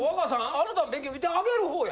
あなた勉強みてあげる方や。